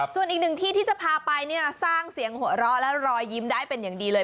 ส่วนอีกหนึ่งที่ที่จะพาไปเนี่ยสร้างเสียงหัวเราะและรอยยิ้มได้เป็นอย่างดีเลย